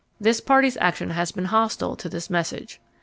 This party's action had been hostile to this measure.